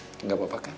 satu rakit tapi kan